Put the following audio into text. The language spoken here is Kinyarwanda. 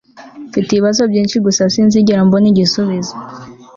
mfite ibibazo byinshi gusa sinzigera mbona igisubizo